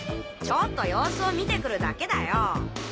ちょっと様子を見てくるだけだよ。